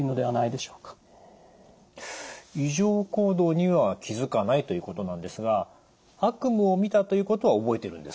異常行動には気づかないということなんですが悪夢をみたということは覚えているんですか？